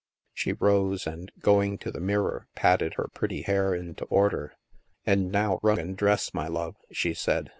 She rose and, going to the mirror, patted her pretty hair into order. " And now run and dress, my love," she said.